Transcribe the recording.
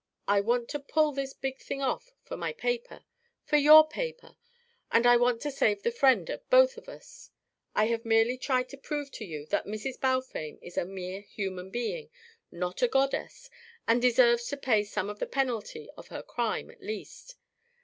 I want to pull this big thing off for my paper, for your paper. And I want to save the friend of both of us. I have merely tried to prove to you that Mrs. Balfame is a mere human being, not a goddess, and deserves to pay some of the penalty of her crime, at least.